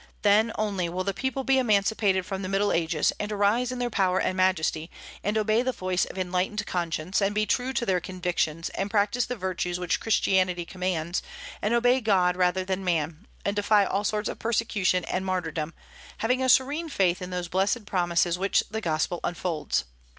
Then only will the people be emancipated from the Middle Ages, and arise in their power and majesty, and obey the voice of enlightened conscience, and be true to their convictions, and practise the virtues which Christianity commands, and obey God rather than man, and defy all sorts of persecution and martyrdom, having a serene faith in those blessed promises which the Gospel unfolds.